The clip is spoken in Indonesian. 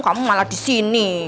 kamu malah disini